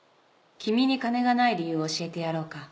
「君に金がない理由を教えてやろうか？」